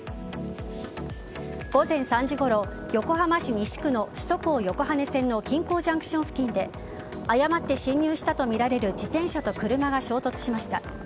午前３時ごろ、横浜市西区の首都高横羽線の金港ＪＣＴ付近で誤って進入したとみられる自転車と車が衝突しました。